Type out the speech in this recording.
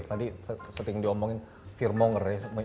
tadi sering diomongin fear monger ya